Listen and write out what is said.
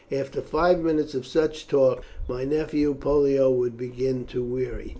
After five minutes of such talk my nephew Pollio would begin to weary."